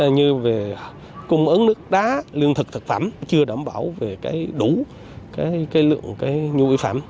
như về cung ứng nước đá lương thực thực phẩm chưa đảm bảo đủ lượng nhu y phẩm